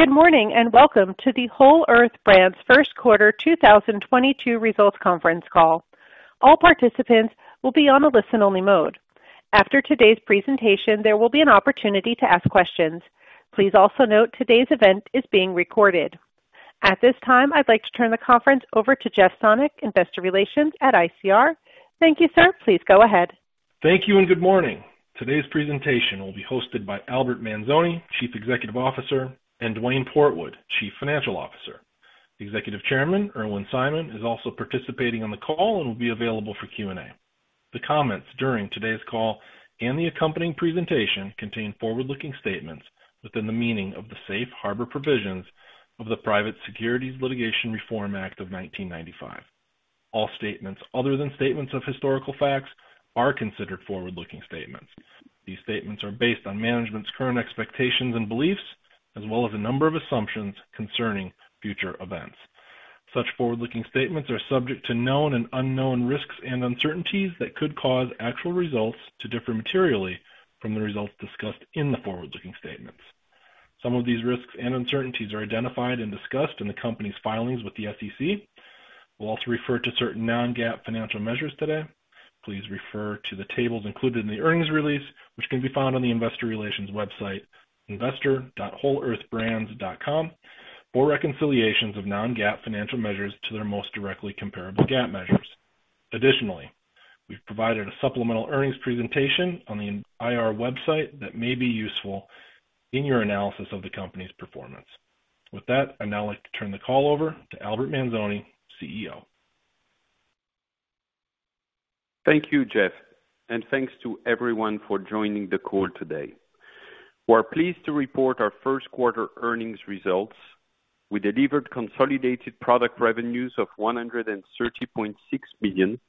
Good morning, and welcome to the Whole Earth Brands first quarter 2022 results conference call. All participants will be on a listen-only mode. After today's presentation, there will be an opportunity to ask questions. Please also note today's event is being recorded. At this time, I'd like to turn the conference over to Jeff Sonnek, Investor Relations at ICR. Thank you, Sir. Please go ahead. Thank you and good morning. Today's presentation will be hosted by Albert Manzone, Chief Executive Officer, and Duane Portwood, Chief Financial Officer. Executive Chairman Irwin Simon is also participating on the call and will be available for Q&A. The comments during today's call and the accompanying presentation contain forward-looking statements within the meaning of the safe harbor provisions of the Private Securities Litigation Reform Act of 1995. All statements other than statements of historical facts are considered forward-looking statements. These statements are based on management's current expectations and beliefs, as well as a number of assumptions concerning future events. Such forward-looking statements are subject to known and unknown risks and uncertainties that could cause actual results to differ materially from the results discussed in the forward-looking statements. Some of these risks and uncertainties are identified and discussed in the Company's filings with the SEC. We'll also refer to certain non-GAAP financial measures today. Please refer to the tables included in the earnings release, which can be found on the investor relations website, investor.wholeearthbrands.com for reconciliations of non-GAAP financial measures to their most directly comparable GAAP measures. Additionally, we've provided a supplemental earnings presentation on the IR website that may be useful in your analysis of the company's performance. With that, I'd now like to turn the call over to Albert Manzone, CEO. Thank you, Jeff, and thanks to everyone for joining the call today. We are pleased to report our first quarter earnings results. We delivered consolidated product revenues of $130.6 million,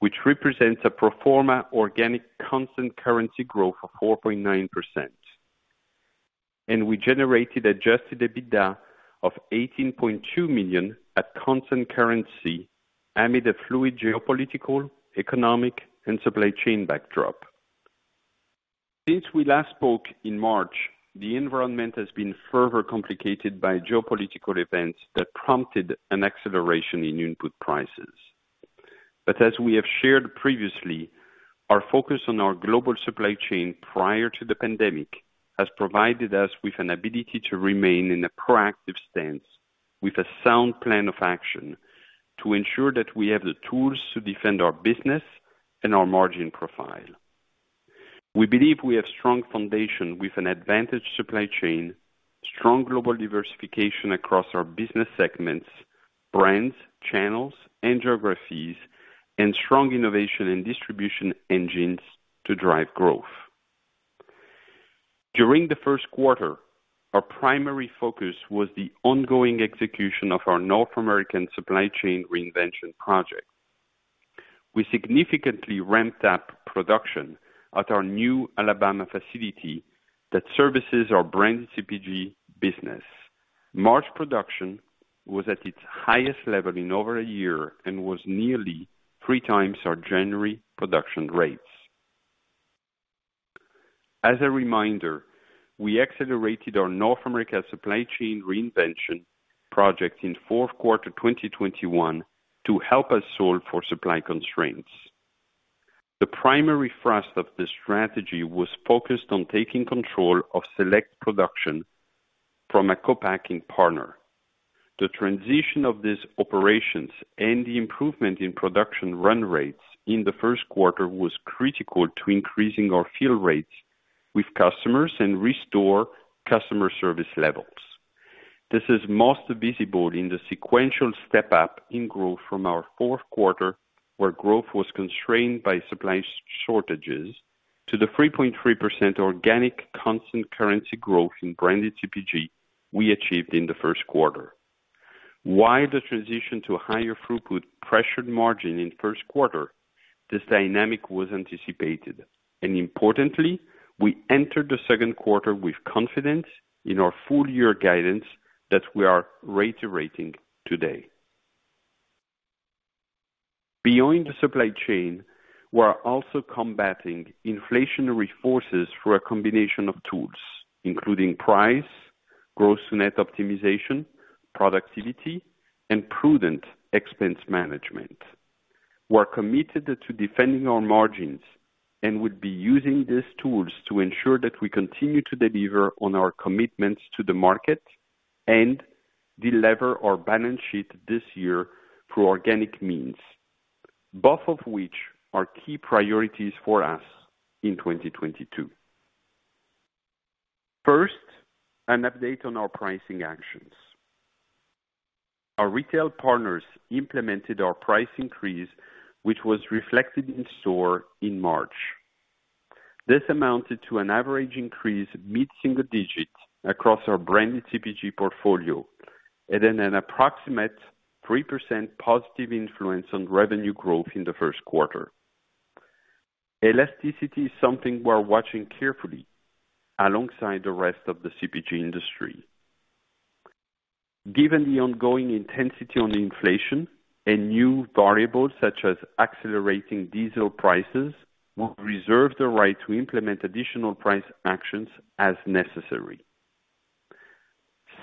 which represents a pro forma organic constant currency growth of 4.9%. We generated adjusted EBITDA of $18.2 million at constant currency amid a fluid geopolitical, economic, and supply chain backdrop. Since we last spoke in March, the environment has been further complicated by geopolitical events that prompted an acceleration in input prices. As we have shared previously, our focus on our global supply chain prior to the pandemic has provided us with an ability to remain in a proactive stance with a sound plan of action to ensure that we have the tools to defend our business and our margin profile. We believe we have strong foundation with an advantaged supply chain, strong global diversification across our business segments, brands, channels, and geographies, and strong innovation and distribution engines to drive growth. During the first quarter, our primary focus was the ongoing execution of our North American supply chain reinvention project. We significantly ramped up production at our new Alabama facility that services our branded CPG business. March production was at its highest level in over a year and was nearly 3x our January production rates. As a reminder, we accelerated our North America supply chain reinvention project in fourth quarter 2021 to help us solve for supply constraints. The primary thrust of this strategy was focused on taking control of select production from a co-packing partner. The transition of these operations and the improvement in production run rates in the first quarter was critical to increasing our fill rates with customers and restore customer service levels. This is most visible in the sequential step-up in growth from our fourth quarter, where growth was constrained by supply shortages to the 3.3% organic constant currency growth in branded CPG we achieved in the first quarter. While the transition to a higher throughput pressured margin in first quarter, this dynamic was anticipated, and importantly, we entered the second quarter with confidence in our full year guidance that we are reiterating today. Beyond the supply chain, we are also combating inflationary forces through a combination of tools, including price, gross net optimization, productivity, and prudent expense management. We're committed to defending our margins and will be using these tools to ensure that we continue to deliver on our commitments to the market and delever our balance sheet this year through organic means, both of which are key priorities for us in 2022. First, an update on our pricing actions. Our retail partners implemented our price increase, which was reflected in store in March. This amounted to an average increase mid-single digit across our branded CPG portfolio and an approximate 3% positive influence on revenue growth in the first quarter. Elasticity is something we're watching carefully alongside the rest of the CPG industry. Given the ongoing intensity on inflation and new variables such as accelerating diesel prices, we'll reserve the right to implement additional price actions as necessary.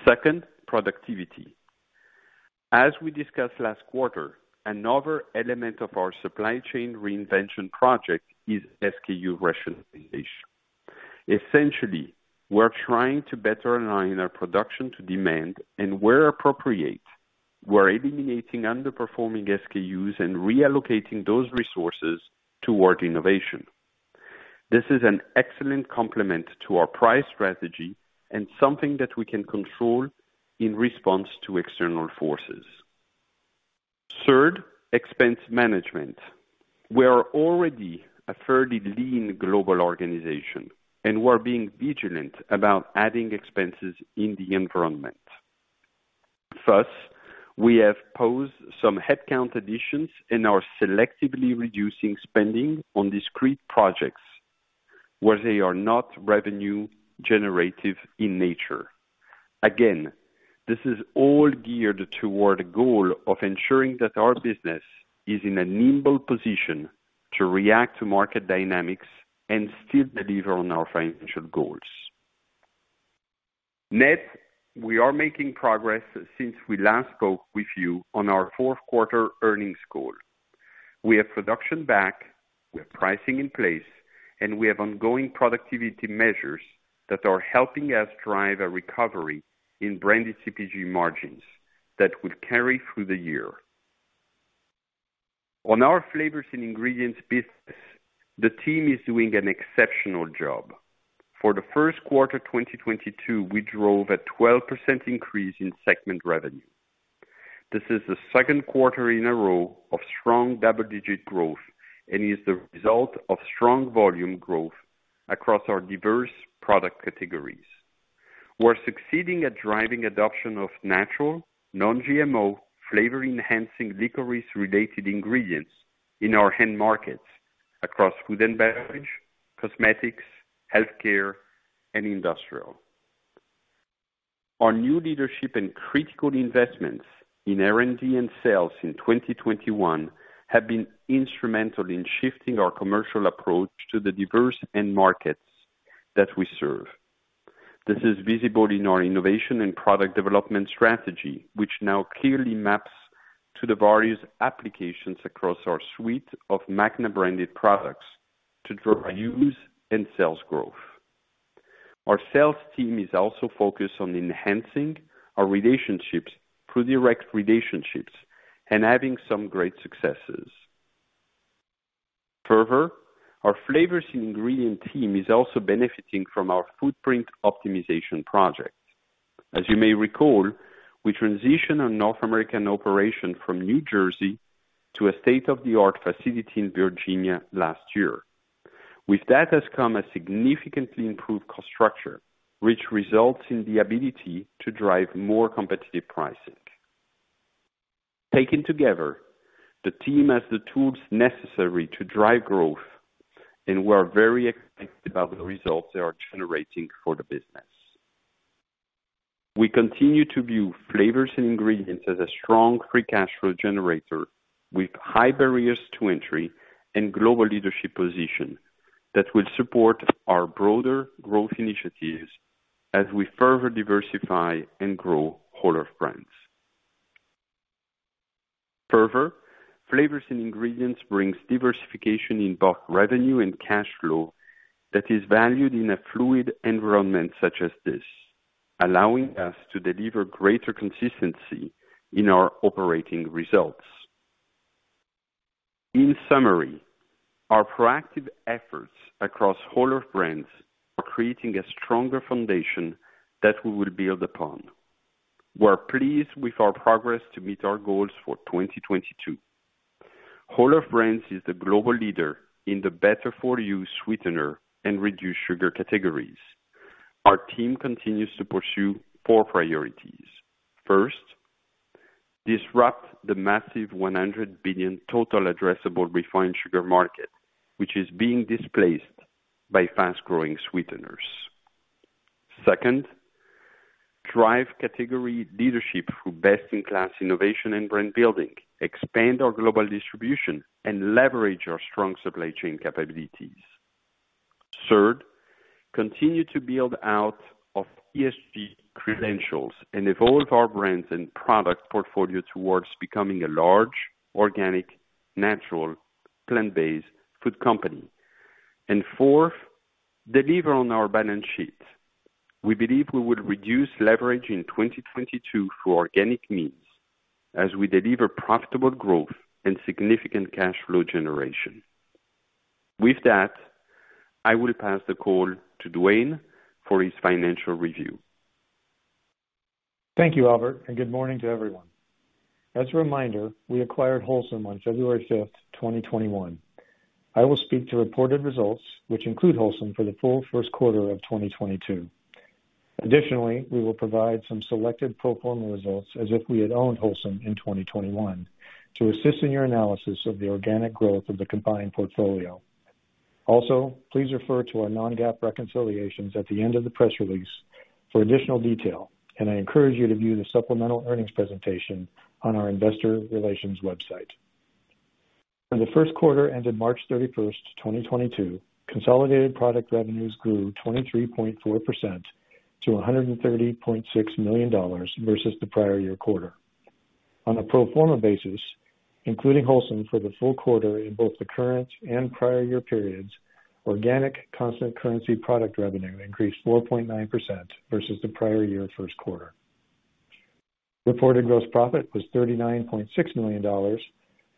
Second, productivity. As we discussed last quarter, another element of our supply chain reinvention project is SKU rationalization. Essentially, we're trying to better align our production to demand and where appropriate, we're eliminating underperforming SKUs and reallocating those resources toward innovation. This is an excellent complement to our price strategy and something that we can control in response to external forces. Third, expense management. We are already a fairly lean global organization, and we're being vigilant about adding expenses in the environment. First, we have postponed some headcount additions and are selectively reducing spending on discrete projects where they are not revenue-generative in nature. Again, this is all geared toward a goal of ensuring that our business is in a nimble position to react to market dynamics and still deliver on our financial goals. Net, we are making progress since we last spoke with you on our fourth quarter earnings call. We have production back, we have pricing in place, and we have ongoing productivity measures that are helping us drive a recovery in branded CPG margins that will carry through the year. On our flavors and ingredients business, the team is doing an exceptional job. For the first quarter 2022, we drove a 12% increase in segment revenue. This is the second quarter in a row of strong double-digit growth and is the result of strong volume growth across our diverse product categories. We're succeeding at driving adoption of natural, non-GMO flavor-enhancing licorice-related ingredients in our end markets across food and beverage, cosmetics, healthcare, and industrial. Our new leadership and critical investments in R&D and sales in 2021 have been instrumental in shifting our commercial approach to the diverse end markets that we serve. This is visible in our innovation and product development strategy, which now clearly maps to the various applications across our suite of Magna-Brands products to drive use and sales growth. Our sales team is also focused on enhancing our relationships through direct relationships and having some great successes. Further, our flavors and ingredient team is also benefiting from our footprint optimization project. As you may recall, we transitioned our North American operation from New Jersey to a state-of-the-art facility in Virginia last year. With that has come a significantly improved cost structure, which results in the ability to drive more competitive pricing. Taken together, the team has the tools necessary to drive growth, and we're very excited about the results they are generating for the business. We continue to view flavors and ingredients as a strong free cash flow generator with high barriers to entry and global leadership position that will support our broader growth initiatives as we further diversify and grow Whole Earth Brands. Further, flavors and ingredients brings diversification in both revenue and cash flow that is valued in a fluid environment such as this, allowing us to deliver greater consistency in our operating results. In summary, our proactive efforts across Whole Earth Brands are creating a stronger foundation that we will build upon. We're pleased with our progress to meet our goals for 2022. Whole Earth Brands is the global leader in the better-for-you sweetener and reduced sugar categories. Our team continues to pursue four priorities. First, disrupt the massive $100 billion total addressable refined sugar market, which is being displaced by fast-growing sweeteners. Second, drive category leadership through best-in-class innovation and brand building, expand our global distribution, and leverage our strong supply chain capabilities. Third, continue to build out of ESG credentials and evolve our brands and product portfolio towards becoming a large organic, natural, plant-based food company. Fourth, deliver on our balance sheet. We believe we will reduce leverage in 2022 through organic means as we deliver profitable growth and significant cash flow generation. With that, I will pass the call to Duane for his financial review. Thank you, Albert, and good morning to everyone. As a reminder, we acquired Wholesome on February 5th, 2021. I will speak to reported results which include Wholesome for the full first quarter of 2022. Additionally, we will provide some selected pro forma results as if we had owned Wholesome in 2021 to assist in your analysis of the organic growth of the combined portfolio. Also, please refer to our non-GAAP reconciliations at the end of the press release for additional detail. I encourage you to view the supplemental earnings presentation on our investor relations website. For the first quarter ended March 31st, 2022, consolidated product revenues grew 23.4% to $130.6 million versus the prior year quarter. On a pro forma basis, including Wholesome for the full quarter in both the current and prior year periods, organic constant currency product revenue increased 4.9% versus the prior year first quarter. Reported gross profit was $39.6 million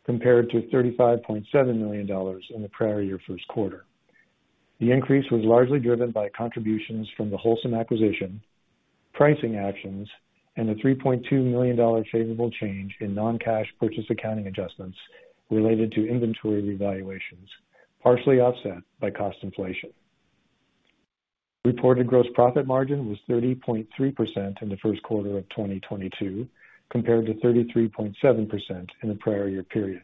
compared to $35.7 million in the prior year first quarter. The increase was largely driven by contributions from the Wholesome acquisition, pricing actions, and the $3.2 million favorable change in non-cash purchase accounting adjustments related to inventory revaluations, partially offset by cost inflation. Reported gross profit margin was 30.3% in the first quarter of 2022, compared to 33.7% in the prior year period.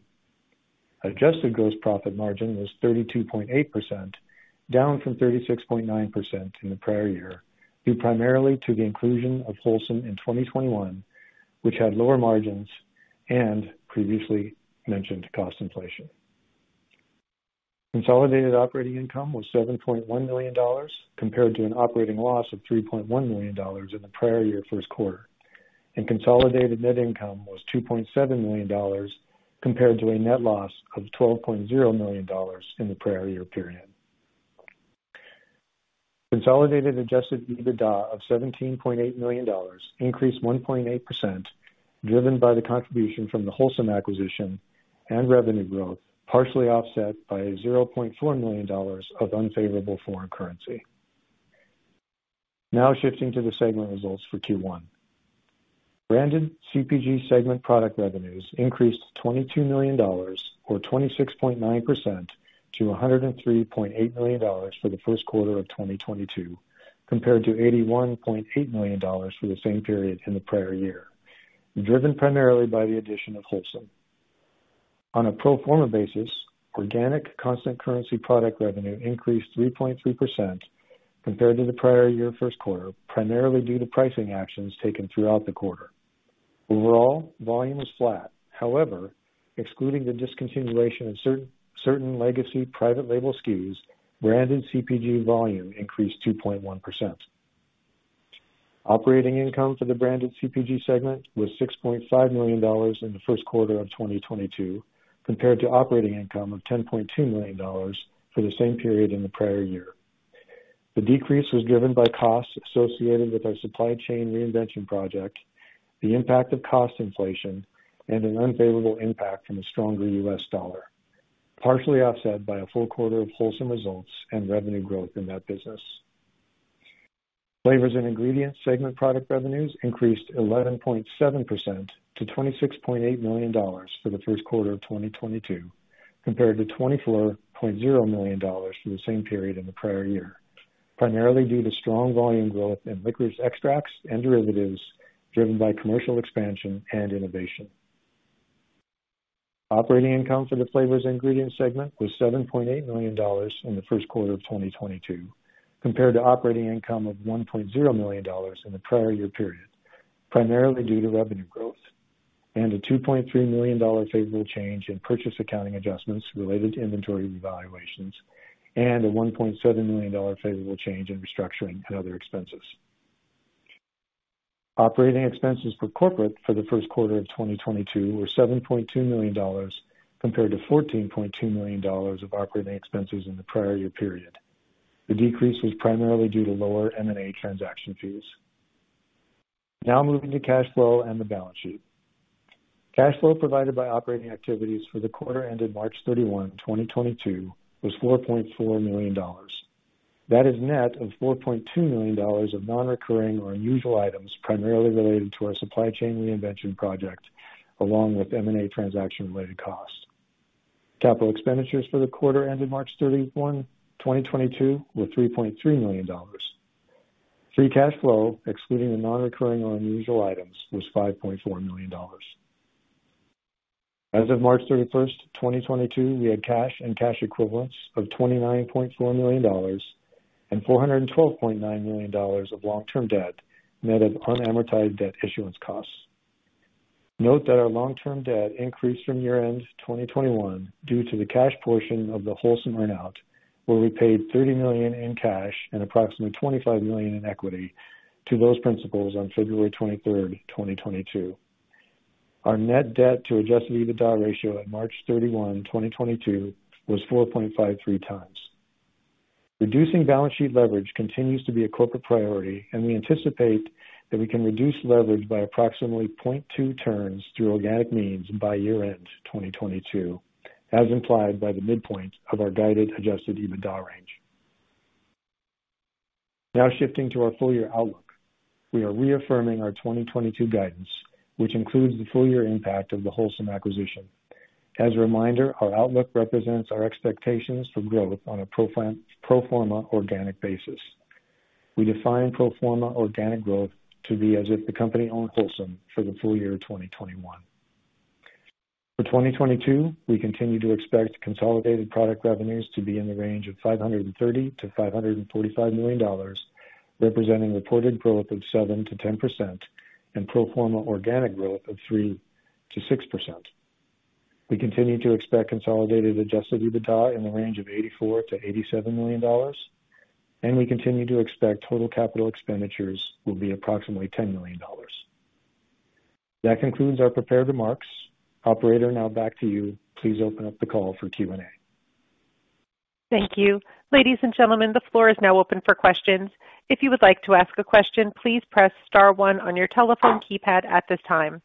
Adjusted gross profit margin was 32.8%, down from 36.9% in the prior year, due primarily to the inclusion of Wholesome in 2021, which had lower margins and previously mentioned cost inflation. Consolidated operating income was $7.1 million compared to an operating loss of $3.1 million in the prior year first quarter. Consolidated net income was $2.7 million compared to a net loss of $12.0 million in the prior year period. Consolidated adjusted EBITDA of $17.8 million increased 1.8%, driven by the contribution from the Wholesome acquisition and revenue growth, partially offset by $0.4 million of unfavorable foreign currency. Now shifting to the segment results for Q1. Branded CPG segment product revenues increased $22 million, or 26.9% to $103.8 million for the first quarter of 2022, compared to $81.8 million for the same period in the prior year, driven primarily by the addition of Wholesome. On a pro forma basis, organic constant currency product revenue increased 3.3% compared to the prior year first quarter, primarily due to pricing actions taken throughout the quarter. Overall, volume was flat. However, excluding the discontinuation of certain legacy private label SKUs, branded CPG volume increased 2.1%. Operating income for the branded CPG segment was $6.5 million in the first quarter of 2022, compared to operating income of $10.2 million for the same period in the prior year. The decrease was driven by costs associated with our supply chain reinvention project, the impact of cost inflation, and an unfavorable impact from the stronger U.S. dollar, partially offset by a full quarter of Wholesome results and revenue growth in that business. Flavors and ingredients segment product revenues increased 11.7% to $26.8 million for the first quarter of 2022, compared to $24.0 million for the same period in the prior year, primarily due to strong volume growth in licorice extracts and derivatives, driven by commercial expansion and innovation. Operating income for the flavors ingredient segment was $7.8 million in the first quarter of 2022, compared to operating income of $1.0 million in the prior year period, primarily due to revenue growth and a $2.3 million favorable change in purchase accounting adjustments related to inventory revaluations and a $1.7 million favorable change in restructuring and other expenses. Operating expenses for corporate for the first quarter of 2022 were $7.2 million compared to $14.2 million of operating expenses in the prior year period. The decrease was primarily due to lower M&A transaction fees. Now moving to cash flow and the balance sheet. Cash flow provided by operating activities for the quarter ended March 31, 2022 was $4.4 million. That is net of $4.2 million of non-recurring or unusual items primarily related to our supply chain reinvention project, along with M&A transaction-related costs. Capital expenditures for the quarter ended March 31, 2022 were $3.3 million. Free cash flow, excluding the non-recurring or unusual items, was $5.4 million. As of March 31st, 2022, we had cash and cash equivalents of $29.4 million and $412.9 million of long-term debt, net of unamortized debt issuance costs. Note that our long-term debt increased from year-end 2021 due to the cash portion of the Wholesome earn-out, where we paid $30 million in cash and approximately $25 million in equity to those principals on February 23rd, 2022. Our net debt to adjusted EBITDA ratio at March 31, 2022 was 4.53x. Reducing balance sheet leverage continues to be a corporate priority, and we anticipate that we can reduce leverage by approximately 0.2 turns through organic means by year-end 2022, as implied by the midpoint of our guided adjusted EBITDA range. Now shifting to our full year outlook. We are reaffirming our 2022 guidance, which includes the full year impact of the Wholesome acquisition. As a reminder, our outlook represents our expectations for growth on a pro forma organic basis. We define pro forma organic growth to be as if the company owned Wholesome for the full year 2021. For 2022, we continue to expect consolidated product revenues to be in the range of $530-545 million, representing reported growth of 7%-10% and pro forma organic growth of 3%-6%. We continue to expect consolidated adjusted EBITDA in the range of $84-87 million, and we continue to expect total capital expenditures will be approximately $10 million. That concludes our prepared remarks. Operator, now back to you. Please open up the call for Q&A. Thank you. Ladies and gentlemen, the floor is now open for questions. If you would like to ask a question, please press star one on your telephone keypad at this time.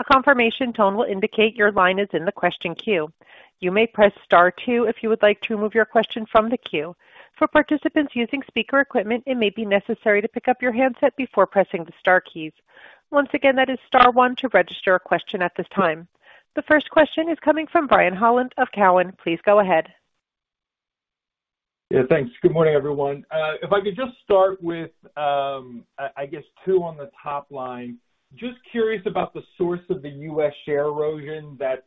A confirmation tone will indicate your line is in the question queue. You may press star two if you would like to remove your question from the queue. For participants using speaker equipment, it may be necessary to pick up your handset before pressing the star keys. Once again, that is star one to register a question at this time. The first question is coming from Brian Holland of Cowen. Please go ahead. Yeah, thanks. Good morning, everyone. If I could just start with, I guess two on the top line. Just curious about the source of the U.S. share erosion that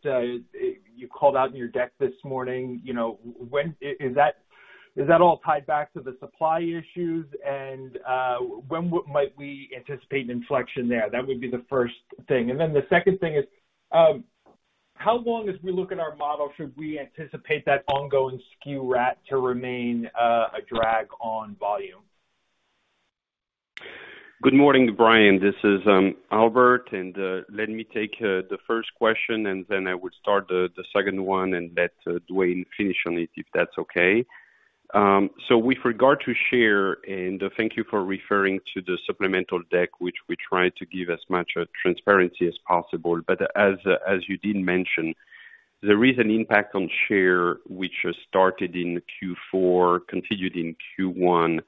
you called out in your deck this morning. When is that all tied back to the supply issues and when might we anticipate an inflection there? That would be the first thing. The second thing is, how long, as we look in our model, should we anticipate that ongoing SKU rationalization to remain a drag on volume? Good morning, Brian. This is Albert, and let me take the first question, and then I would start the second one and let Duane finish on it, if that's okay. With regard to share, and thank you for referring to the supplemental deck, which we try to give as much transparency as possible. As you did mention, there is an impact on share which started in Q4, continued in Q1,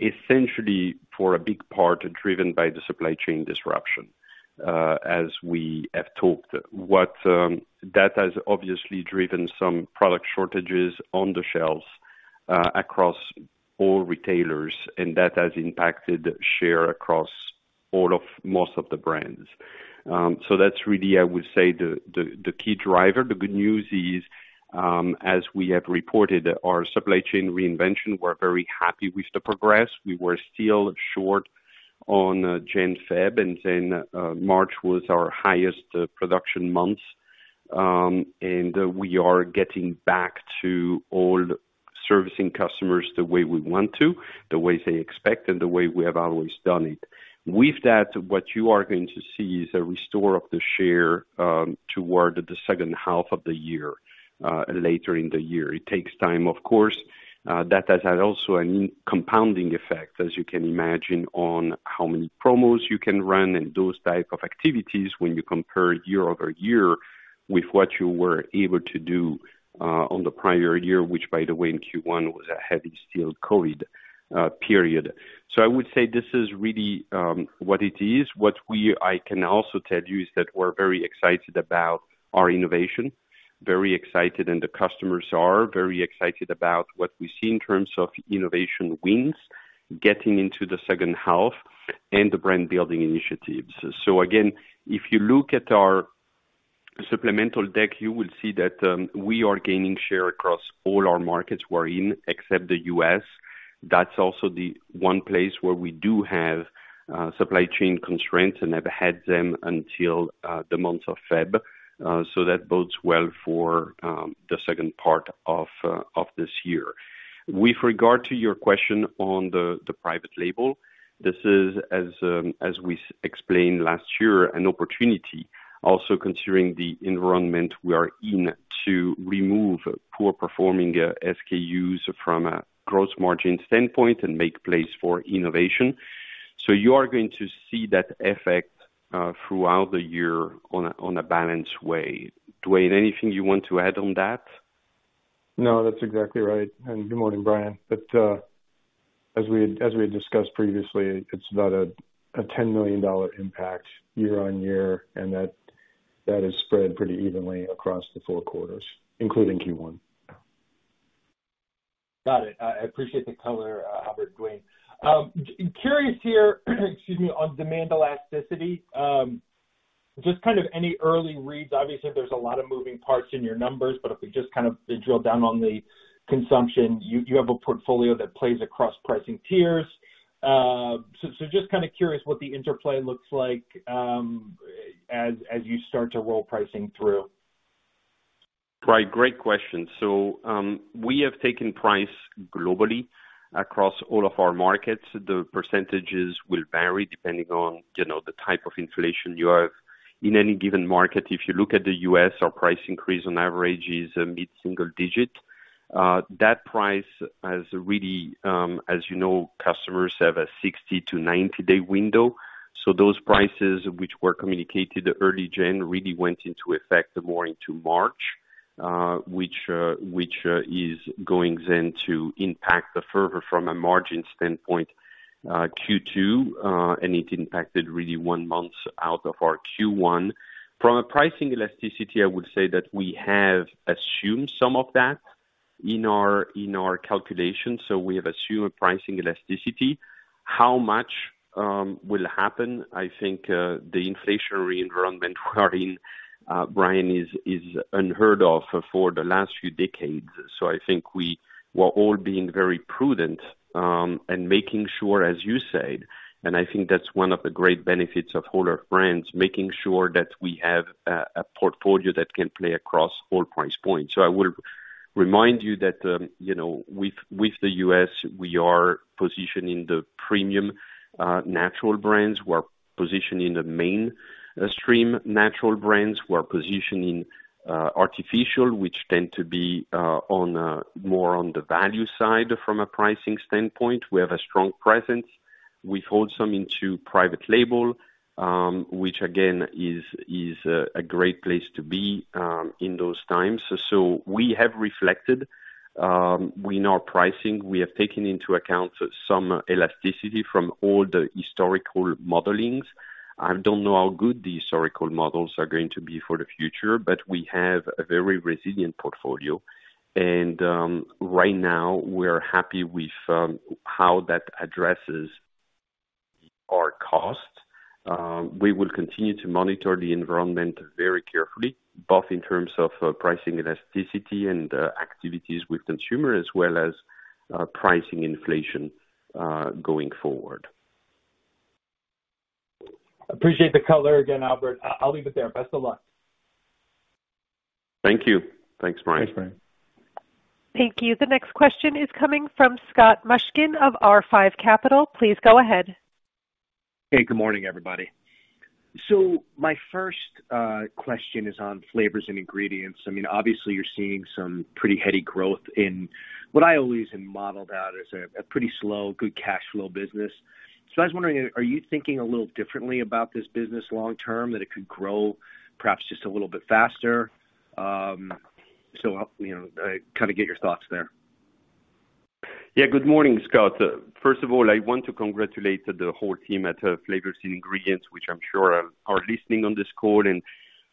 essentially for a big part driven by the supply chain disruption, as we have talked. That has obviously driven some product shortages on the shelves, across all retailers, and that has impacted share across most of the brands. That's really, I would say, the key driver. The good news is, as we have reported, our supply chain reinvention, we're very happy with the progress. We were still short on January, February, and then March was our highest production month. We are getting back to serving all customers the way we want to, the way they expect, and the way we have always done it. With that, what you are going to see is a restoration of the share, toward the second half of the year, later in the year. It takes time, of course. That has had also a compounding effect, as you can imagine, on how many promos you can run and those type of activities when you compare year-over-year with what you were able to do, on the prior year, which, by the way, in Q1 was a heavily COVID period. I would say this is really what it is. What I can also tell you is that we're very excited about our innovation, very excited, and the customers are very excited about what we see in terms of innovation wins getting into the second half and the brand-building initiatives. Again, if you look at our supplemental deck, you will see that we are gaining share across all our markets we're in, except the U.S. That's also the one place where we do have supply chain constraints and have had them until the month of February. That bodes well for the second part of this year. With regard to your question on the private label, this is, as we explained last year, an opportunity also considering the environment we are in, to remove poor performing SKUs from a gross margin standpoint and make space for innovation. You are going to see that effect throughout the year in a balanced way. Duane, anything you want to add on that? No, that's exactly right. Good morning, Brian. As we had discussed previously, it's about a $10 million impact year-over-year, and that is spread pretty evenly across the four quarters, including Q1. Got it. I appreciate the color, Albert, Duane. Curious here, excuse me, on demand elasticity. Just kind of any early reads. Obviously there's a lot of moving parts in your numbers, but if we just kind of drill down on the consumption, you have a portfolio that plays across pricing tiers. So just kinda curious what the interplay looks like, as you start to roll pricing through. Right. Great question. We have taken price globally across all of our markets. The percentages will vary depending on, you know, the type of inflation you have in any given market. If you look at the U.S., our price increase on average is a mid-single digit. That price has really, as you know, customers have a 60-90-day window. Those prices which were communicated early January really went into effect more into March, which is going then to impact us further from a margin standpoint, Q2. It impacted really one month out of our Q1. From a pricing elasticity, I would say that we have assumed some of that. In our calculation, we have assumed pricing elasticity. How much will happen? I think the inflationary environment we are in, Brian, is unheard of for the last few decades. I think we were all being very prudent and making sure, as you said, and I think that's one of the great benefits of all our brands, making sure that we have a portfolio that can play across all price points. I would remind you that, you know, with the U.S., we are positioning the premium natural brands. We're positioning the mainstream natural brands. We're positioning artificial, which tend to be more on the value side from a pricing standpoint. We have a strong presence. We hold some into private label, which again is a great place to be in those times. We have reflected in our pricing. We have taken into account some elasticity from all the historical modelings. I don't know how good the historical models are going to be for the future, but we have a very resilient portfolio. Right now we're happy with how that addresses our costs. We will continue to monitor the environment very carefully, both in terms of pricing elasticity and activities with consumer as well as pricing inflation going forward. Appreciate the color again, Albert. I'll leave it there. Best of luck. Thank you. Thanks, Brian. Thanks, Brian. Thank you. The next question is coming from Scott Mushkin of R5 Capital. Please go ahead. Hey, good morning, everybody. My first question is on flavors and ingredients. I mean, obviously, you're seeing some pretty heady growth in what I always had modeled out as a pretty slow, good cash flow business. I was wondering, are you thinking a little differently about this business long term, that it could grow perhaps just a little bit faster? You know, kind of get your thoughts there. Yeah. Good morning, Scott. First of all, I want to congratulate the whole team at Flavors and Ingredients, which I'm sure are listening on this call and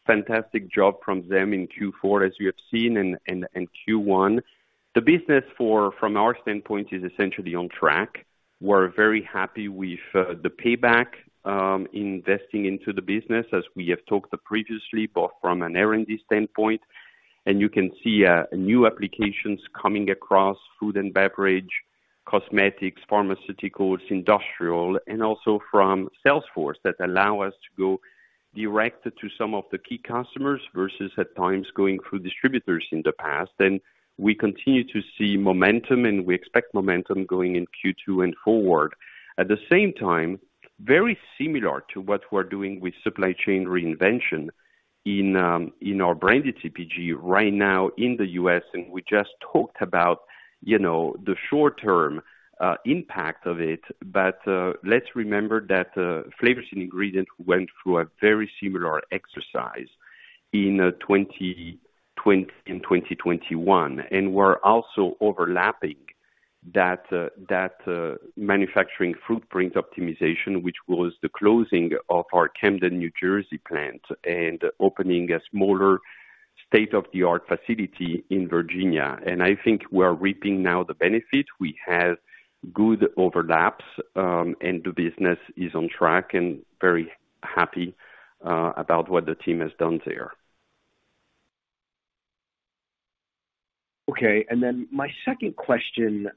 fantastic job from them in Q4, as you have seen, and Q1. The business from our standpoint is essentially on track. We're very happy with the payback investing into the business as we have talked previously, both from an R&D standpoint, and you can see new applications coming across food and beverage, cosmetics, pharmaceuticals, industrial, and also from sales force that allow us to go direct to some of the key customers versus at times going through distributors in the past. We continue to see momentum, and we expect momentum going in Q2 and forward. At the same time, very similar to what we're doing with supply chain reinvention in our branded CPG right now in the U.S., and we just talked about, you know, the short-term impact of it. Let's remember that flavors and ingredients went through a very similar exercise in 2021, and we're also overlapping that manufacturing footprint optimization, which was the closing of our Camden, New Jersey plant and opening a smaller state-of-the-art facility in Virginia. I think we're reaping now the benefit. We have good overlaps, and the business is on track and very happy about what the team has done there. Okay. My second question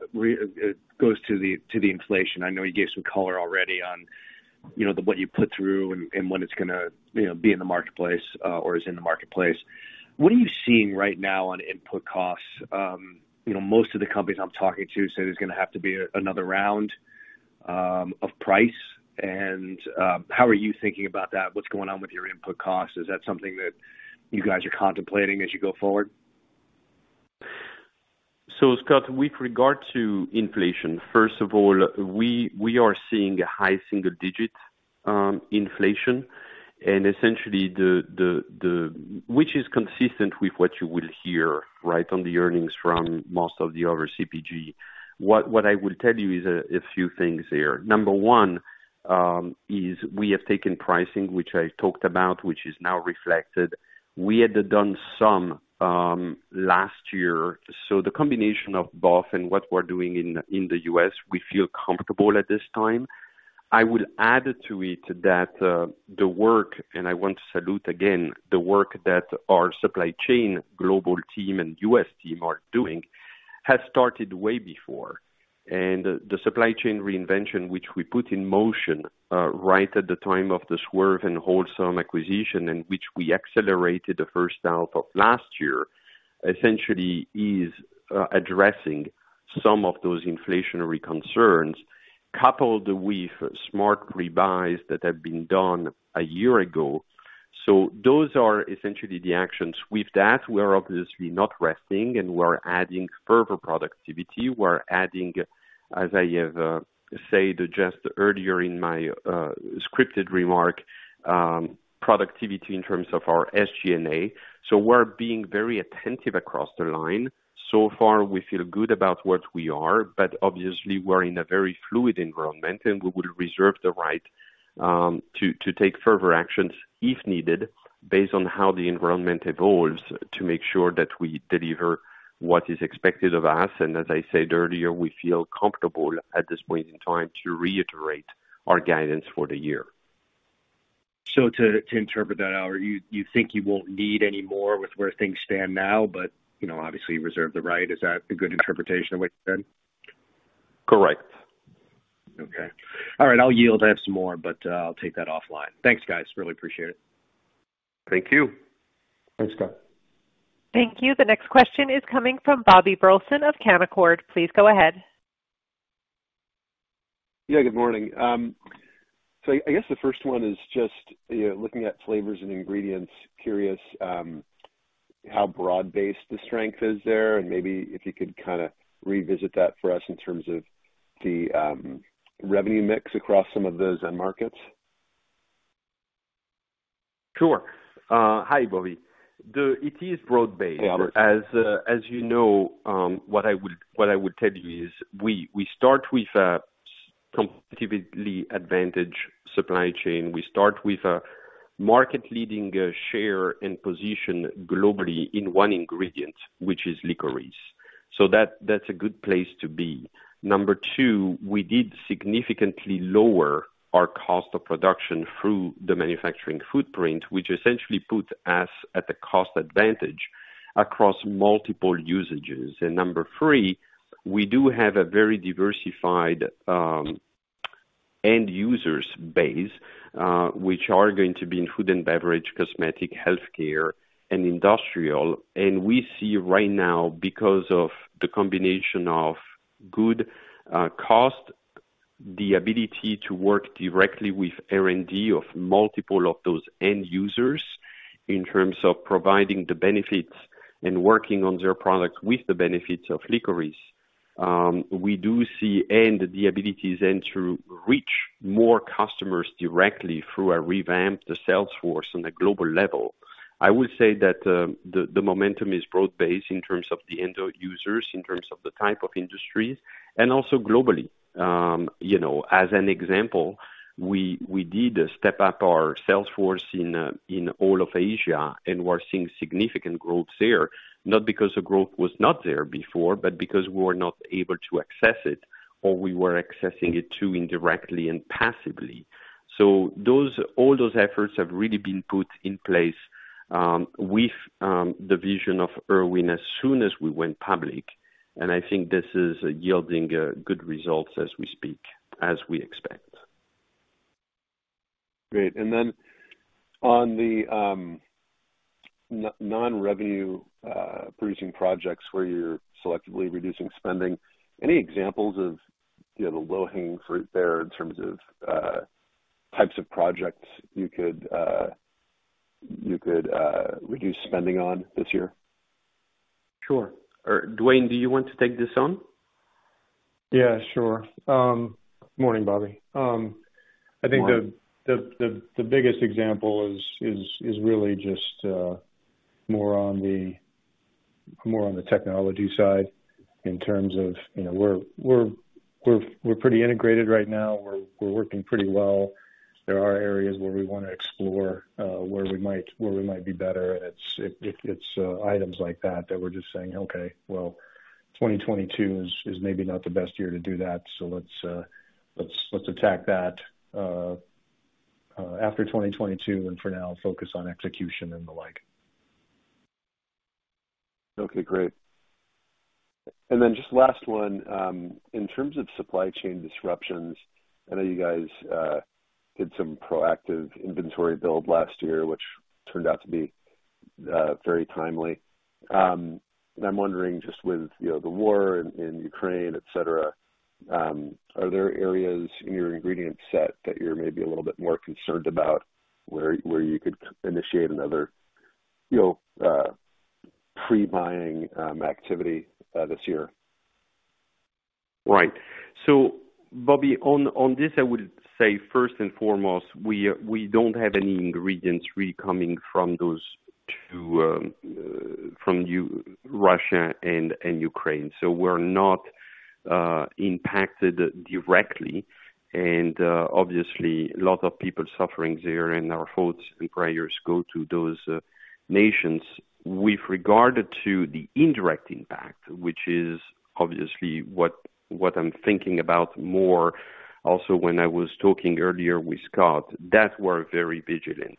goes to the inflation. I know you gave some color already on, you know, what you put through and when it's gonna, you know, be in the marketplace or is in the marketplace. What are you seeing right now on input costs? You know, most of the companies I'm talking to say there's gonna have to be another round of price. How are you thinking about that? What's going on with your input costs? Is that something that you guys are contemplating as you go forward? Scott, with regard to inflation, first of all, we are seeing high single-digit inflation, and essentially, which is consistent with what you will hear, right, on the earnings from most of the other CPG. What I will tell you is a few things here. Number one, is we have taken pricing, which I talked about, which is now reflected. We had done some last year. The combination of both and what we're doing in the U.S., we feel comfortable at this time. I will add to it that, the work, and I want to salute again the work that our supply chain global team and U.S. team are doing, had started way before. The supply chain reinvention, which we put in motion right at the time of the Swerve and Wholesome acquisition, and which we accelerated the first half of last year, essentially is addressing some of those inflationary concerns, coupled with smart revisions that have been done a year ago. Those are essentially the actions. With that, we are obviously not resting, and we're adding further productivity. We're adding, as I have said just earlier in my scripted remark, productivity in terms of our SG&A. We're being very attentive across the line. So far, we feel good about what we are, but obviously we're in a very fluid environment, and we will reserve the right to take further actions if needed based on how the environment evolves, to make sure that we deliver what is expected of us. As I said earlier, we feel comfortable at this point in time to reiterate our guidance for the year. To interpret that out, you think you won't need any more with where things stand now, but, you know, obviously reserve the right. Is that a good interpretation of what you said? Correct. Okay. All right, I'll yield. I have some more, but I'll take that offline. Thanks, guys. Really appreciate it. Thank you. Thanks, Scott. Thank you. The next question is coming from Bobby Burleson of Canaccord. Please go ahead. Yeah, good morning. So I guess the first one is just, you know, looking at flavors and ingredients, curious how broad-based the strength is there, and maybe if you could kinda revisit that for us in terms of the revenue mix across some of those end markets. Sure. Hi, Bobby. It is broad-based. Hi, Albert. As you know, what I would tell you is we start with a competitively advantaged supply chain. We start with a market-leading share and position globally in one ingredient, which is licorice. That's a good place to be. Number two, we did significantly lower our cost of production through the manufacturing footprint, which essentially puts us at a cost advantage across multiple usages. Number three, we do have a very diversified end-user base, which are going to be in food and beverage, cosmetics, healthcare, and industrial. We see right now, because of the combination of good cost, the ability to work directly with R&D of multiple of those end users in terms of providing the benefits and working on their product with the benefits of licorice. We do see. The abilities and to reach more customers directly through a revamped sales force on a global level. I would say that the momentum is broad-based in terms of the end users, in terms of the type of industries and also globally. You know, as an example, we did step up our sales force in all of Asia, and we're seeing significant growth there, not because the growth was not there before, but because we were not able to access it or we were accessing it too indirectly and passively. All those efforts have really been put in place with the vision of Irwin as soon as we went public, and I think this is yielding good results as we speak, as we expect. Great. On the non-revenue producing projects where you're selectively reducing spending, any examples of, you know, the low-hanging fruit there in terms of types of projects you could reduce spending on this year? Sure. Duane, do you want to take this on? Yeah, sure. Morning, Bobby. I think the biggest example is really just more on the technology side in terms of, you know, we're pretty integrated right now. We're working pretty well. There are areas where we wanna explore where we might be better. It's items like that that we're just saying, "Okay, well, 2022 is maybe not the best year to do that. Let's attack that after 2022, and for now focus on execution and the like. Okay, great. Just last one. In terms of supply chain disruptions, I know you guys did some proactive inventory build last year, which turned out to be very timely. I'm wondering just with, you know, the war in Ukraine, etc, are there areas in your ingredient set that you're maybe a little bit more concerned about where you could initiate another, you know, pre-buying activity this year? Right. Bobby, on this, I would say, first and foremost, we don't have any ingredients really coming from Russia and Ukraine, so we're not impacted directly. Obviously, a lot of people suffering there, and our thoughts and prayers go to those nations. With regard to the indirect impact, which is obviously what I'm thinking about more also when I was talking earlier with Scott, that we're very vigilant.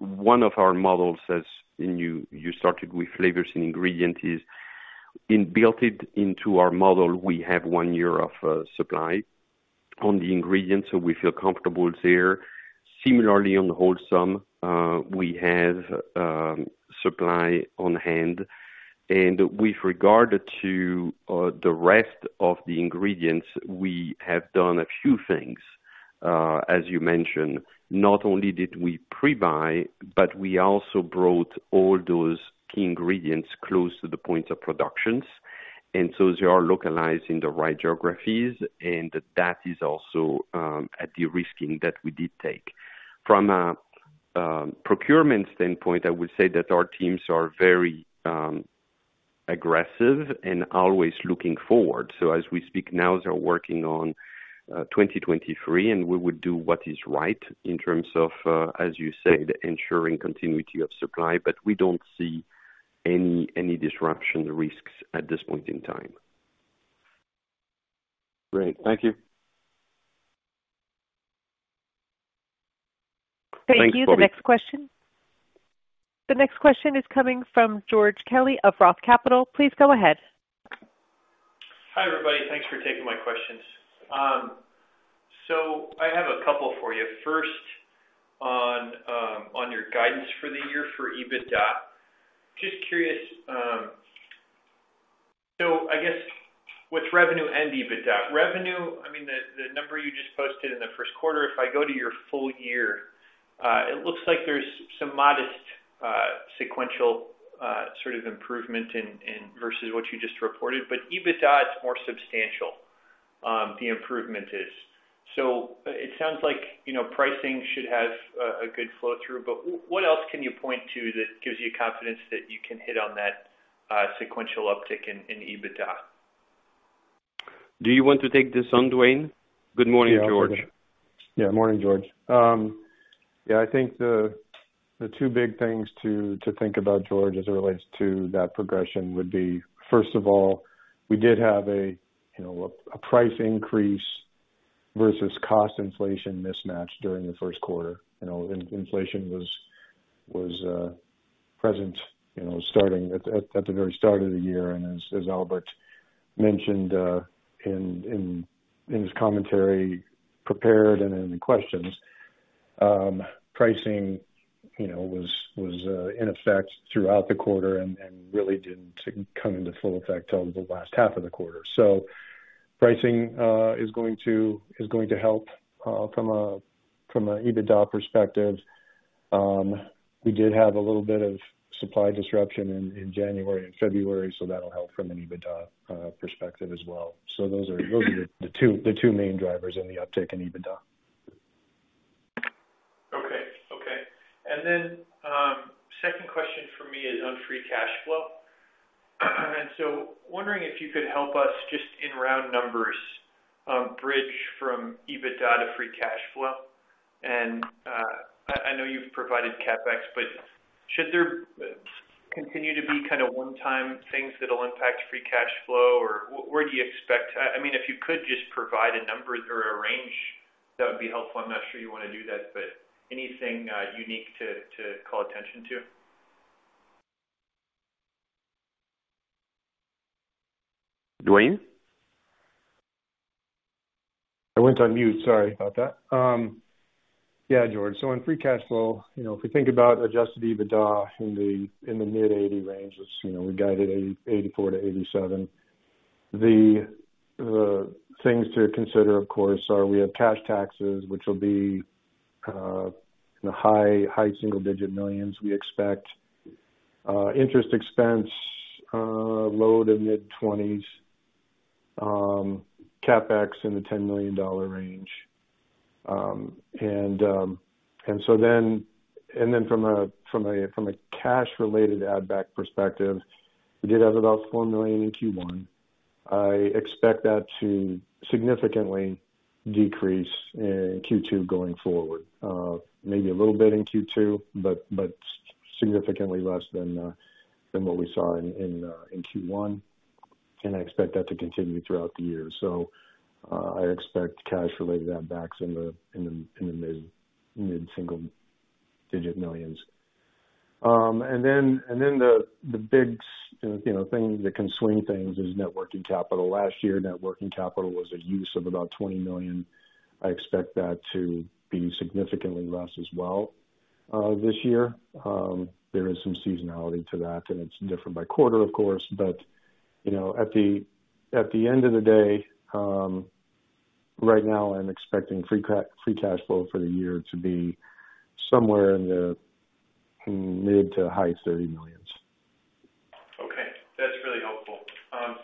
One of our models, and you started with flavors and ingredient is built into our model, we have one year of supply on the ingredients, so we feel comfortable there. Similarly, on Wholesome, we have supply on hand. With regard to the rest of the ingredients, we have done a few things. As you mentioned, not only did we pre-buy, but we also brought all those key ingredients close to the point of production. They are localized in the right geographies, and that is also a de-risking that we did take. From a procurement standpoint, I would say that our teams are very aggressive and always looking forward. As we speak now, they're working on 2023, and we would do what is right in terms of, as you said, ensuring continuity of supply, but we don't see any disruption risks at this point in time. Great. Thank you. Thank you. The next question is coming from George Kelly of Roth Capital Partners. Please go ahead. Hi, everybody. Thanks for taking my questions. I have a couple for you. First on your guidance for the year for EBITDA. Just curious. I guess with revenue and EBITDA. Revenue, I mean, the number you just posted in the first quarter, if I go to your full year, it looks like there's some modest sequential sort of improvement in versus what you just reported, but EBITDA, it's more substantial, the improvement is. It sounds like, you know, pricing should have a good flow through, but what else can you point to that gives you confidence that you can hit on that sequential uptick in EBITDA? Do you want to take this on, Duane? Good morning, George. Yeah. Morning, George. Yeah, I think the two big things to think about, George, as it relates to that progression would be, first of all, we did have you know, a price increase versus cost inflation mismatch during the first quarter. You know, inflation was present, you know, starting at the very start of the year. As Albert mentioned, in his commentary prepared and in the questions, pricing, you know, was in effect throughout the quarter and really didn't come into full effect till the last half of the quarter. Pricing is going to help from an EBITDA perspective. We did have a little bit of supply disruption in January and February, so that'll help from an EBITDA perspective as well. Those are the two main drivers in the uptick in EBITDA. Okay. Second question for me is on free cash flow. Wondering if you could help us just in round numbers bridge from EBITDA to free cash flow. I know you've provided CapEx, but should there continue to be kind of one-time things that'll impact free cash flow or where do you expect. I mean, if you could just provide a number or a range that would be helpful. I'm not sure you wanna do that, but anything unique to call attention to? Dwayne? I went on mute. Sorry about that. Yeah, George. So on free cash flow, you know, if we think about adjusted EBITDA in the mid-80 range, you know, we guided 84-87. The things to consider, of course, are we have cash taxes, which will be in the high single-digit millions, we expect. Interest expense, low- to mid-20s. CapEx in the $10 million range. Then from a cash related add back perspective, we did have about $4 million in Q1. I expect that to significantly decrease in Q2 going forward. Maybe a little bit in Q2, but significantly less than what we saw in Q1. I expect that to continue throughout the year. I expect cash related add backs in the mid single digit millions. Then the big thing that can swing things is net working capital. Last year, net working capital was a use of about $20 million. I expect that to be significantly less as well this year. There is some seasonality to that, and it's different by quarter of course. You know, at the end of the day, right now I'm expecting free cash flow for the year to be somewhere in the mid- to high 30 millions. Okay. That's really helpful.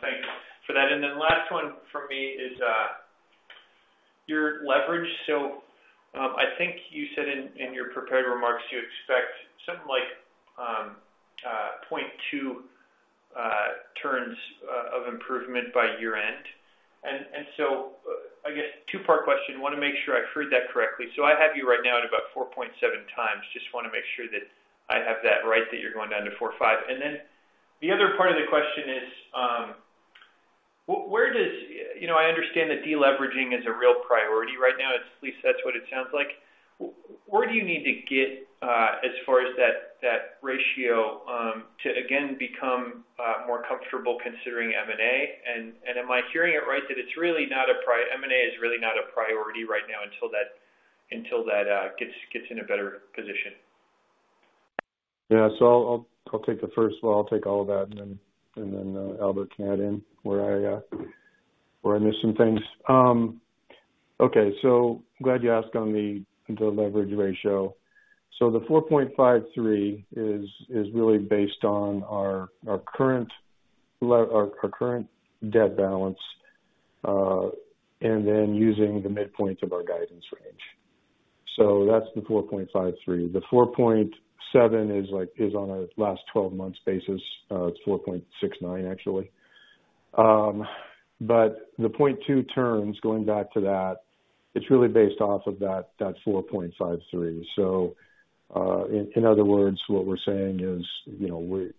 Thank you for that. Last one for me is your leverage. I think you said in your prepared remarks you expect something like 0.2 turns of improvement by year-end. So I guess two-part question. Wanna make sure I've heard that correctly. I have you right now at about 4.7x. Just wanna make sure that I have that right, that you're going down to 4.5. Then the other part of the question is, where do you need to get as far as that ratio to again become more comfortable considering M&A? You know, I understand that deleveraging is a real priority right now. At least that's what it sounds like. Am I hearing it right that M&A is really not a priority right now until that gets in a better position? I'll take the first. Well, I'll take all of that and then Albert can add in where I miss some things. Glad you asked on the leverage ratio. The 4.53 is really based on our current debt balance and then using the midpoint of our guidance range. That's the 4.53. The 4.7 is on a last twelve months basis. It's 4.69 actually. But the 0.2 turns, going back to that. It's really based off of that 4.53. In other words, what we're saying is, you know,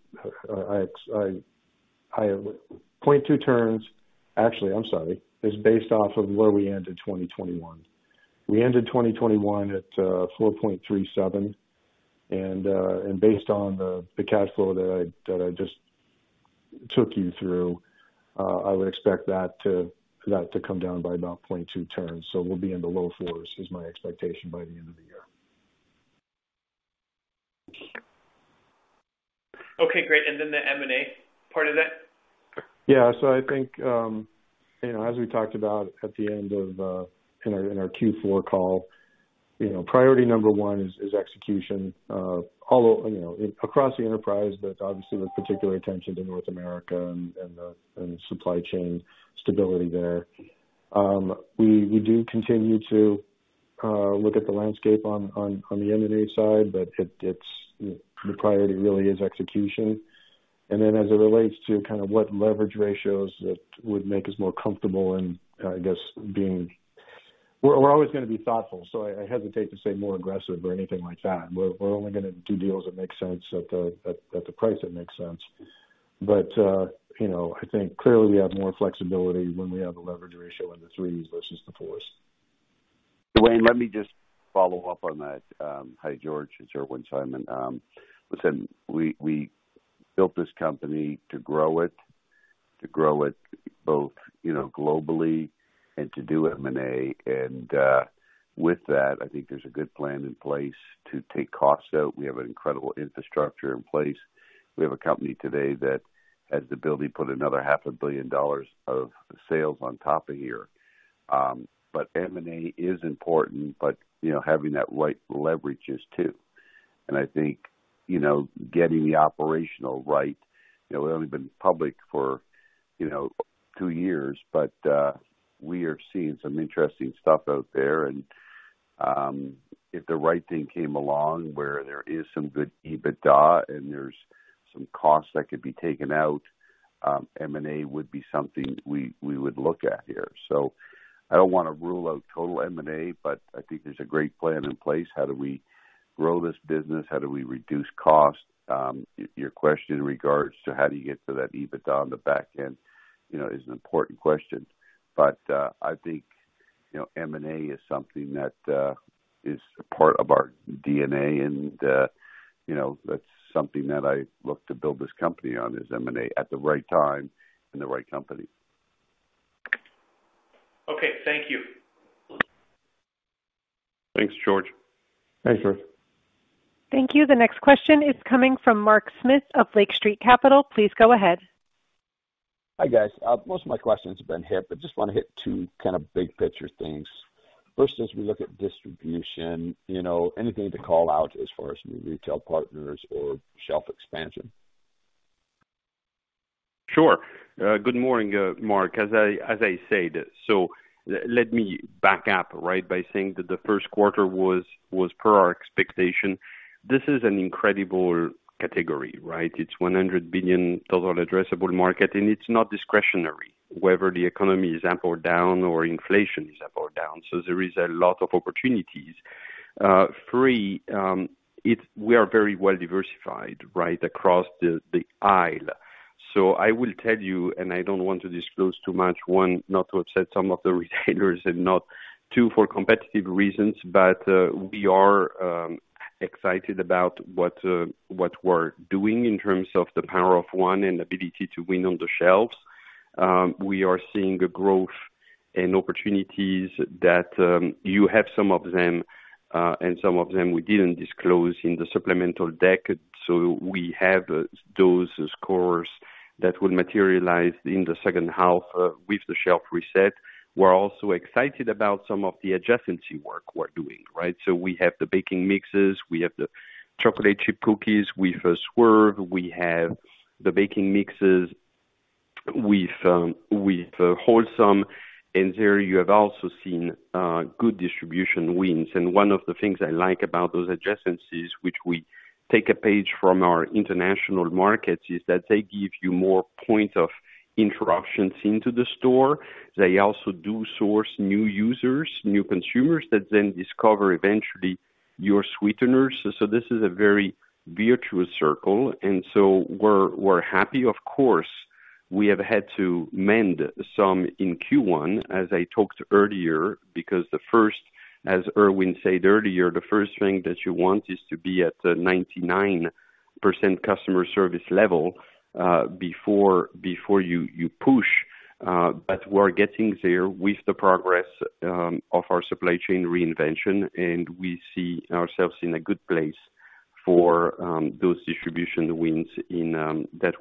0.2 turns actually. I'm sorry. It's based off of where we ended 2021. We ended 2021 at 4.37, and based on the cash flow that I just took you through, I would expect that to come down by about 0.2 turns. We'll be in the low 4s, is my expectation by the end of the year. Okay, great. The M&A part of that? I think, you know, as we talked about at the end of our Q4 call, you know, priority number one is execution. Although, you know, across the enterprise, but obviously with particular attention to North America and supply chain stability there. We do continue to look at the landscape on the M&A side, but it's the priority really is execution. As it relates to kind of what leverage ratios that would make us more comfortable. We're always gonna be thoughtful, so I hesitate to say more aggressive or anything like that. We're only gonna do deals that make sense at the price that makes sense. you know, I think clearly we have more flexibility when we have a leverage ratio in the threes versus the fours. Duane, let me just follow up on that. Hi, George. It's Irwin Simon. Listen, we built this company to grow it both, you know, globally and to do M&A. With that, I think there's a good plan in place to take costs out. We have an incredible infrastructure in place. We have a company today that has the ability to put another half a billion dollars of sales on top of here. M&A is important, but, you know, having that right leverage is too. I think, you know, getting the operations right, you know, we've only been public for, you know, two years, but we are seeing some interesting stuff out there. If the right thing came along where there is some good EBITDA and there's some costs that could be taken out, M&A would be something we would look at here. I don't wanna rule out total M&A, but I think there's a great plan in place. How do we grow this business? How do we reduce costs? Your question in regards to how do you get to that EBITDA on the back end, you know, is an important question. I think, you know, M&A is something that is a part of our DNA and, you know, that's something that I look to build this company on, is M&A at the right time and the right company. Okay. Thank you. Thanks, George. Thanks, Irwin. Thank you. The next question is coming from Mark Smith of Lake Street Capital Markets. Please go ahead. Hi, guys. Most of my questions have been hit, but just wanna hit two kind of big picture things. First, as we look at distribution, you know, anything to call out as far as new retail partners or shelf expansion? Sure. Good morning, Mark. As I said, let me back up, right, by saying that the first quarter was per our expectation. This is an incredible category, right? It's $100 billion total addressable market, and it's not discretionary whether the economy is up or down or inflation is up or down. There is a lot of opportunities. We are very well diversified, right, across the aisle. I will tell you, and I don't want to disclose too much, one, not to upset some of the retailers and not, two, for competitive reasons, but we are excited about what we're doing in terms of the power of one and ability to win on the shelves. We are seeing a growth and opportunities that. You have some of them, and some of them we didn't disclose in the supplemental deck. We have those scores that will materialize in the second half, with the shelf reset. We're also excited about some of the adjacency work we're doing, right? We have the baking mixes, we have the chocolate chip cookies with Swerve, we have the baking mixes with Wholesome. There you have also seen good distribution wins. One of the things I like about those adjacencies, which we take a page from our international markets, is that they give you more points of introductions into the store. They also do source new users, new consumers that then discover eventually your sweeteners. This is a very virtuous circle, and we're happy. Of course, we have had to mend some in Q1, as I talked earlier, because, as Irwin said earlier, the first thing that you want is to be at the 99% customer service level before you push. But we're getting there with the progress of our supply chain reinvention, and we see ourselves in a good place for those distribution wins that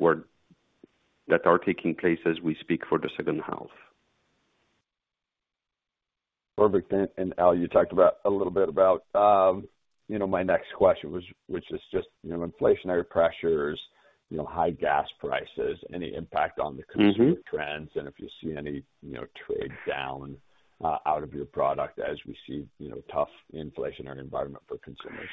are taking place as we speak for the second half. Perfect. Al, you talked about a little bit about, you know, my next question was which is just, you know, inflationary pressures, you know, high gas prices, any impact on the consumer. Mm-hmm. Trends, and if you see any, you know, trade down out of your product as we see, you know, tough inflationary environment for consumers?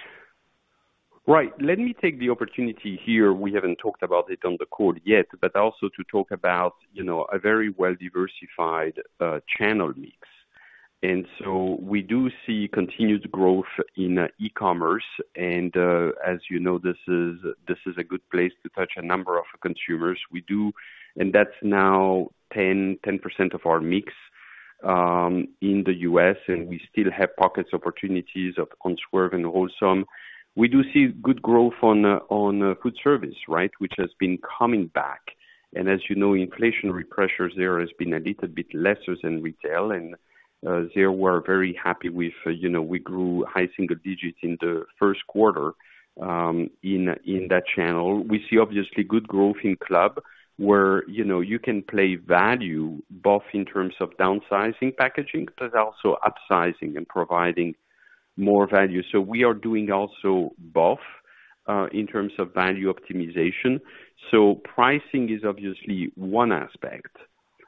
Right. Let me take the opportunity here. We haven't talked about it on the call yet, but also to talk about, you know, a very well-diversified channel mix. We do see continued growth in e-commerce. As you know, this is a good place to touch a number of consumers. That's now 10% of our mix in the U.S., and we still have pockets of opportunities on Swerve and Wholesome. We do see good growth on food service, right? Which has been coming back. As you know, inflationary pressures there has been a little bit lesser than retail. There, we're very happy with, you know, we grew high single digits% in the first quarter in that channel. We see obviously good growth in club where, you know, you can play value both in terms of downsizing packaging, but also upsizing and providing more value. We are doing also both, in terms of value optimization. Pricing is obviously one aspect,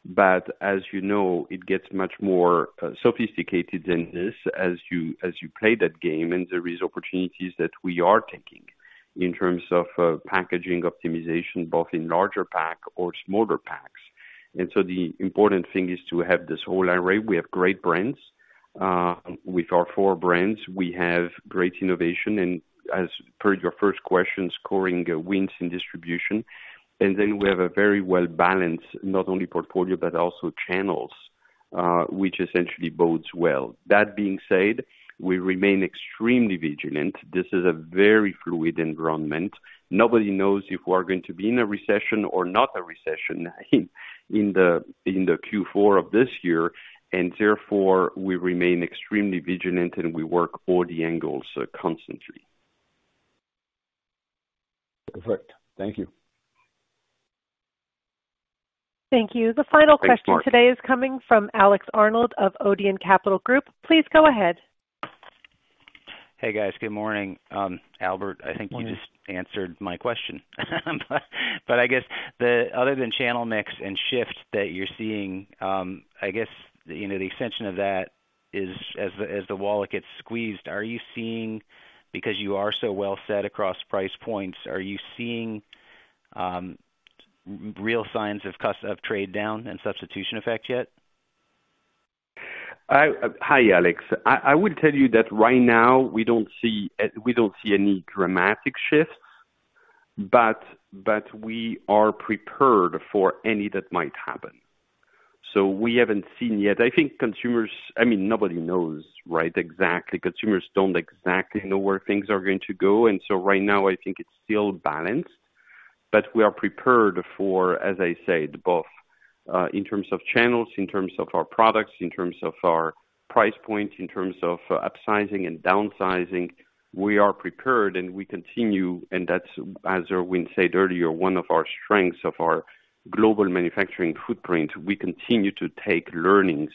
but as you know, it gets much more sophisticated than this as you play that game. There is opportunities that we are taking in terms of packaging optimization, both in larger pack or smaller packs. The important thing is to have this whole array. We have great brands, with our four brands. We have great innovation. As per your first question, scoring wins in distribution. We have a very well-balanced, not only portfolio, but also channels, which essentially bodes well. That being said, we remain extremely vigilant. This is a very fluid environment. Nobody knows if we're going to be in a recession or not a recession in the Q4 of this year, and therefore we remain extremely vigilant, and we work all the angles constantly. Perfect. Thank you. Thank you. The final question today is coming from Alex Arnold of Odeon Capital Group. Please go ahead. Hey, guys. Good morning. Albert, I think you just answered my question. I guess the other than channel mix and shift that you're seeing, I guess, you know, the extension of that is as the wallet gets squeezed, are you seeing? Because you are so well set across price points, are you seeing real signs of trade down and substitution effect yet? Hi, Alex. I would tell you that right now we don't see any dramatic shifts, but we are prepared for any that might happen. We haven't seen yet. I think consumers, I mean, nobody knows, right, exactly. Consumers don't exactly know where things are going to go. Right now, I think it's still balanced. We are prepared for, as I said, both, in terms of channels, in terms of our products, in terms of our price points, in terms of upsizing and downsizing, we are prepared, and we continue, and that's, as Irwin said earlier, one of our strengths of our global manufacturing footprint. We continue to take learnings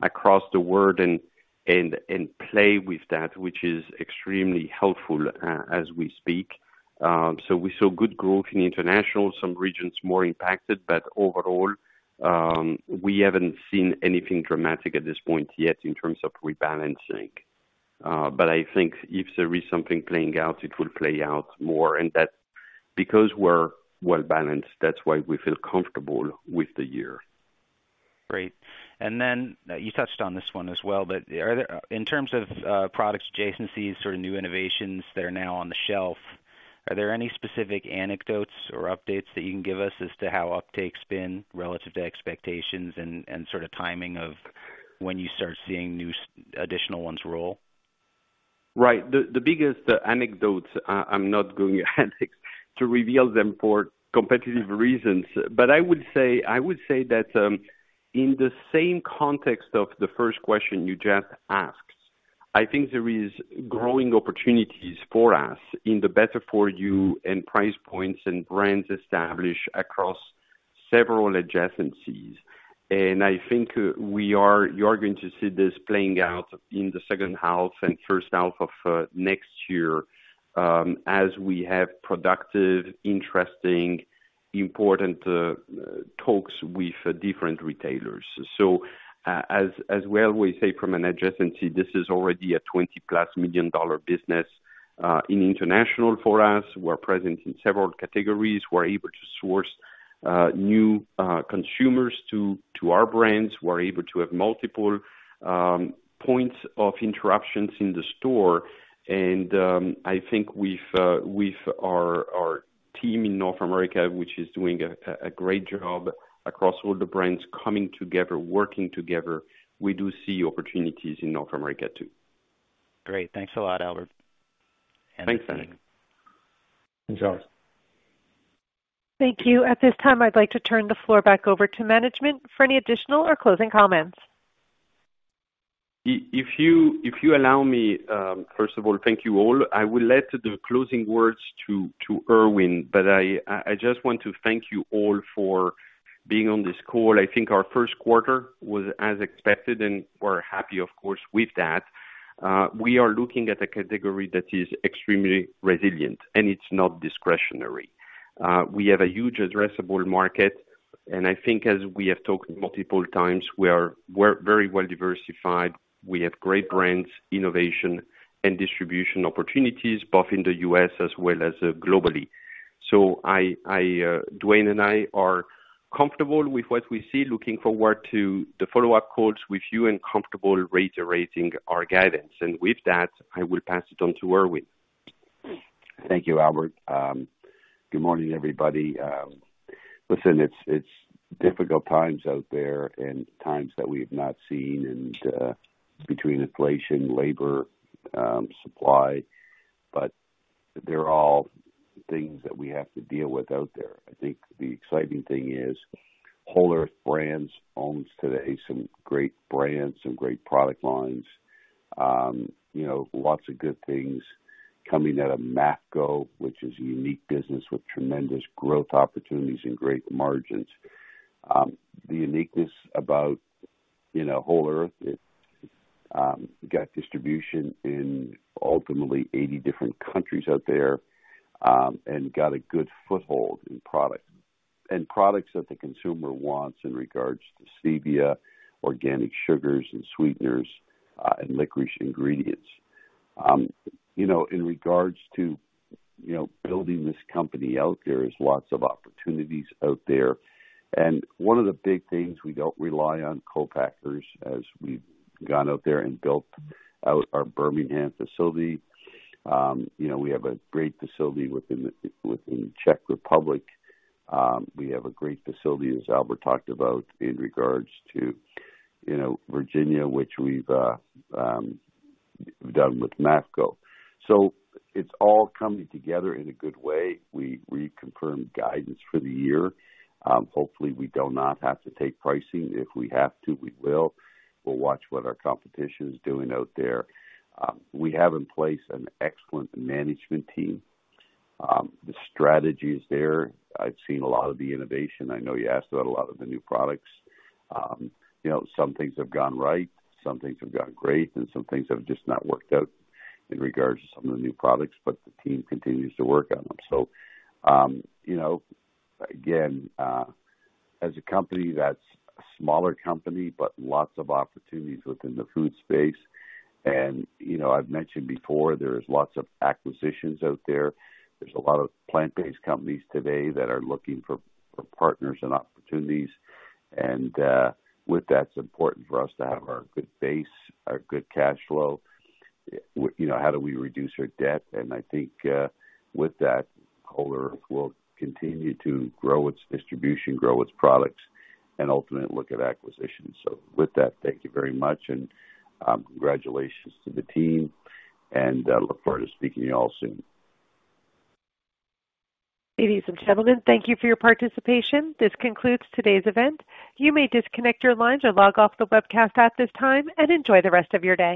across the world and play with that, which is extremely helpful as we speak. We saw good growth in international, some regions more impacted. Overall, we haven't seen anything dramatic at this point yet in terms of rebalancing. I think if there is something playing out, it will play out more. That's because we're well-balanced, that's why we feel comfortable with the year. Great. You touched on this one as well, but in terms of products adjacencies, sort of new innovations that are now on the shelf, are there any specific anecdotes or updates that you can give us as to how uptake's been relative to expectations and sort of timing of when you start seeing additional ones roll? Right. The biggest anecdotes, I'm not going to reveal them for competitive reasons, but I would say that in the same context of the first question you just asked, I think there is growing opportunities for us in the better for you and price points and brands established across several adjacencies. I think you are going to see this playing out in the second half and first half of next year as we have productive, interesting, important talks with different retailers. As well, we see from an adjacency, this is already a $20+ million business in international. For us, we're present in several categories. We're able to source new consumers to our brands. We're able to have multiple points of interruptions in the store. I think with our team in North America, which is doing a great job across all the brands coming together, working together, we do see opportunities in North America too. Great. Thanks a lot, Albert. Thanks, Alex. Thanks, Alex. Thank you. At this time, I'd like to turn the floor back over to management for any additional or closing comments. If you allow me, first of all, thank you all. I will let the closing words to Irwin, but I just want to thank you all for being on this call. I think our first quarter was as expected, and we're happy, of course, with that. We are looking at a category that is extremely resilient, and it's not discretionary. We have a huge addressable market, and I think as we have talked multiple times, we are very well diversified. We have great brands, innovation and distribution opportunities, both in the U.S. as well as globally. Duane and I are comfortable with what we see. Looking forward to the follow-up calls with you and comfortable reiterating our guidance. With that, I will pass it on to Irwin. Thank you, Albert. Good morning, everybody. Listen, it's difficult times out there and times that we have not seen and, between inflation, labor, supply, but they're all things that we have to deal with out there. I think the exciting thing is Whole Earth Brands owns today some great brands, some great product lines. You know, lots of good things coming out of Mafco, which is a unique business with tremendous growth opportunities and great margins. The uniqueness about, you know, Whole Earth, it got distribution in ultimately 80 different countries out there, and got a good foothold in product. Products that the consumer wants in regards to stevia, organic sugars and sweeteners, and licorice ingredients. You know, in regards to, you know, building this company out there's lots of opportunities out there. One of the big things, we don't rely on co-packers as we've gone out there and built out our Birmingham facility. You know, we have a great facility within the Czech Republic. We have a great facility, as Albert talked about, in regards to, you know, Virginia, which we've done with Mafco. It's all coming together in a good way. We reconfirmed guidance for the year. Hopefully, we do not have to take pricing. If we have to, we will. We'll watch what our competition is doing out there. We have in place an excellent management team. The strategy is there. I've seen a lot of the innovation. I know you asked about a lot of the new products. You know, some things have gone right, some things have gone great, and some things have just not worked out in regards to some of the new products, but the team continues to work on them. You know, again, as a company, that's a smaller company, but lots of opportunities within the food space. You know, I've mentioned before there is lots of acquisitions out there. There's a lot of plant-based companies today that are looking for partners and opportunities. With that, it's important for us to have our good base, our good cash flow. You know, how do we reduce our debt? I think, with that, Whole Earth will continue to grow its distribution, grow its products, and ultimately look at acquisitions. With that, thank you very much and congratulations to the team and look forward to speaking to you all soon. Ladies and gentlemen, thank you for your participation. This concludes today's event. You may disconnect your lines or log off the webcast at this time, and enjoy the rest of your day.